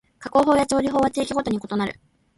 加工法や調理法は地域ごとに異なる